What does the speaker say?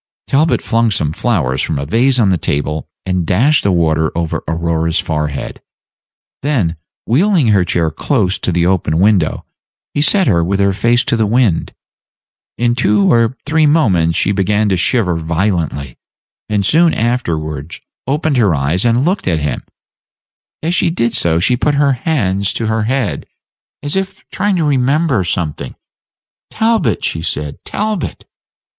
Talbot flung some flowers from a vase on the table, and dashed the water over Aurora's forehead; then, wheeling her chair close to the open window, he set her with her face to the wind. In two or three moments she began to shiver violently, and soon afterward opened her eyes and looked at him; as she did so, she put her hands to her head, as if trying to remember something. "Talbot!" she said, "Talbot!"